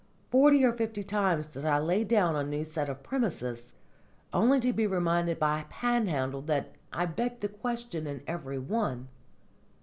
Forty or fifty times did I lay down a new set of premises, only to be reminded by Panhandle that I begged the question in every one.